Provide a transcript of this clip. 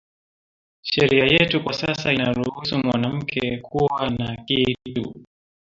Sheria yetu kwa sasa inaruusu mwanamuke kuwa na kitu